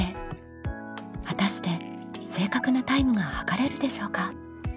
果たして正確なタイムが測れるでしょうか？